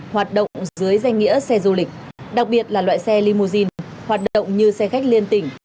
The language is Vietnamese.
hoạt động dưới danh nghĩa xe du lịch đặc biệt là loại xe limousine hoạt động như xe khách liên tỉnh